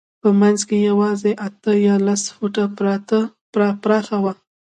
په منځ کې یې یوازې اته یا لس فوټه پراخه لاره وه.